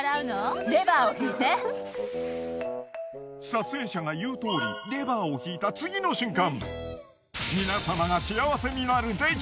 撮影者が言うとおりレバーを引いた次の瞬間。